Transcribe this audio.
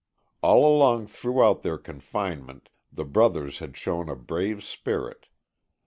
All along throughout their confinement the brothers had shown a brave spirit.